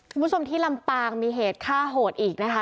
คุณผู้ชมที่ลำปางมีเหตุฆ่าโหดอีกนะคะ